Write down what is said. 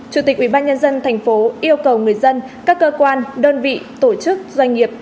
trong ngày hai mươi một tháng tám chủ tịch ubnd tp hcm yêu cầu người dân các cơ quan đơn vị tổ chức doanh nghiệp